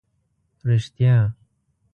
رښتیا.